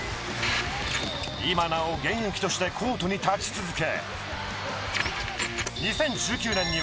今なお現役としてコートに立ち続け。